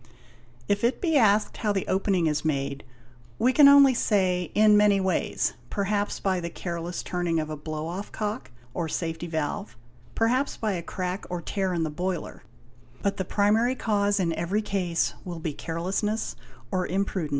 If it be asked how the opening is made, we can only say, in many ways: perhaps by the careless turning of a blow off cock or safety valve, _ perhaps by a crack or tear in the boiler; but the primary cause in every case will be carelessness or imprudence.